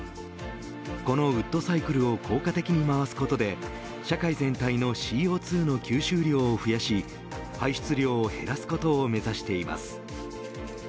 このウッドサイクルを効果的に回すことで社会全体のＣＯ２の吸収量を増やし排出量を減らすことを目指しています。